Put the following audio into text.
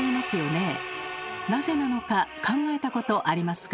なぜなのか考えたことありますか？